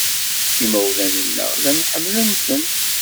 Imawlan-nneɣ llan ḥemmlen-ten.